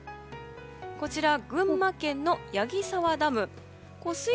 こちら、群馬県の矢木沢ダム。